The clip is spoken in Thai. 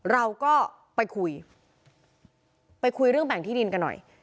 เราก็ไปคุยไปคุยเรื่องแบ่งที่ดินกันหน่อย